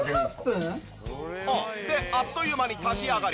であっという間に炊き上がり。